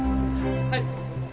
はい。